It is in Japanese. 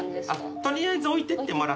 取りあえず置いてってもらって。